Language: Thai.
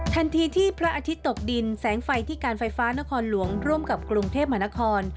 ทันทีที่พระอาทิตย์ตกดินแสงไฟที่การไฟฟ้านครหลวงร่วมกับกรุงเทพมหานคร